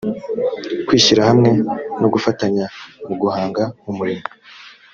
kwishyira hamwe no gufatanya mu guhanga umurimo